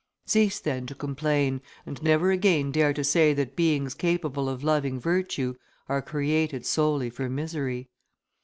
Cease, then, to complain, and never again dare to say that beings capable of loving virtue are created solely for misery."